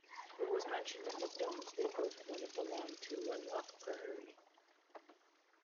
It was mentioned in the Domesday Book, when it belonged to Wenlock Priory.